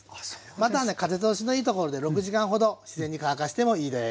または風通しのいいところで６時間ほど自然に乾かしてもいいです。